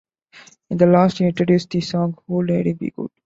In the last, he introduced the song Oh, Lady Be Good!